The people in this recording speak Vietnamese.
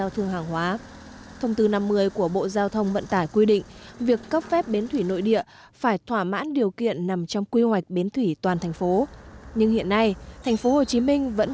theo thống kê các bến thủy nội địa ở thành phố hồ chí minh xếp rỡ khoảng ba mươi triệu tấn hàng hóa mỗi năm